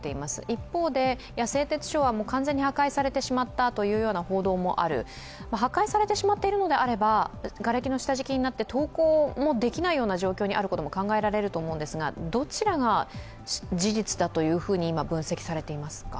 一方で製鉄所は完全に破壊されてしまったという報道もある、破壊されてしまっているのであればがれきの下敷きになって投降もできない状況にあることも考えられると思いますが、どちらが事実だというふうに今、分析されていますか？